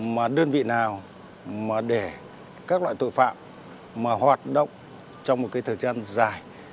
mà đơn vị nào mà để các loại tội phạm mà hoạt động trong một cái thời gian dài